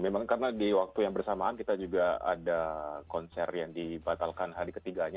memang karena di waktu yang bersamaan kita juga ada konser yang dibatalkan hari ketiganya